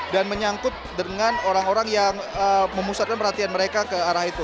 dan menyangkut dengan orang orang yang memusatkan perhatian mereka ke arah itu